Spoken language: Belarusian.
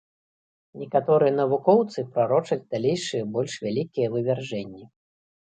Некаторыя навукоўцы прарочаць далейшыя, больш вялікія вывяржэнні.